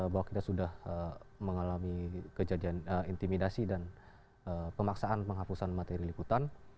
bahwa kita sudah eh mengalami kejadian eh intimidasi dan eh pemaksaan penghapusan materi liputan